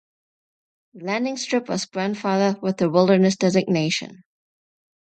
The landing strip was grandfathered with the wilderness designation.